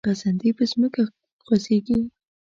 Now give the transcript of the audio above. خزندې په ځمکه خوځیږي